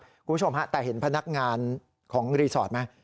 คุณผู้ชมฮะแต่เห็นพนักงานของรีสอร์ทไหม